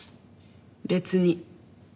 別に。